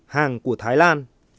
hàng của thái lan